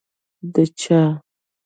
ـ د چا؟!